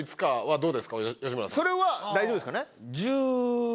それは大丈夫ですかね？